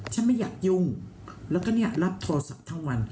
ไม่อยากยุ่งแล้วก็เนี่ยรับโทรศัพท์ทั้งวัน